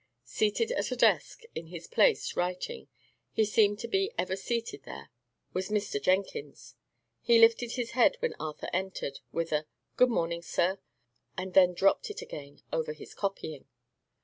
Seated at a desk, in his place, writing he seemed to be ever seated there was Mr. Jenkins. He lifted his head when Arthur entered, with a "Good morning, sir," and then dropped it again over his copying.